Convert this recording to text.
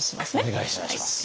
お願いします。